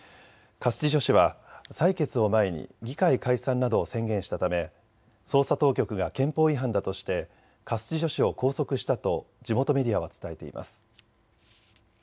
カスティジョ氏は採決を前に議会解散などを宣言したため捜査当局が憲法違反だとしてカスティジョ氏を拘束したと地元メディアは伝えています。